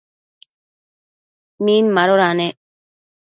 Min madoda nec ?